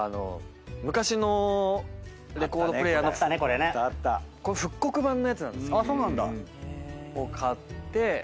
昔のレコードプレーヤーのこれ復刻版のやつなんです。を買って。